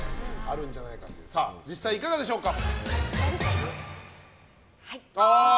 実際、いかがでしょうか？